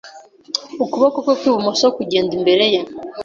Ukuboko kwe kw'ibumoso kugenda imbere ye